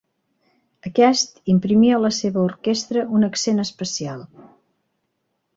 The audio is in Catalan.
Aquest imprimí a la seva orquestra un accent especial.